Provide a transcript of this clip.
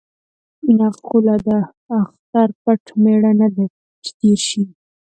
نقوله ده: اختر پټ مېړه نه دی چې تېر شي.